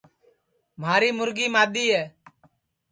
مھاری مُرگی مادؔی ہے